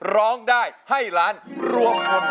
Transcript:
ร้องได้ให้ล้านรวมทุน